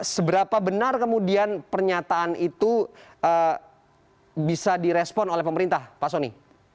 seberapa benar kemudian pernyataan itu bisa direspon oleh pemerintah pak soni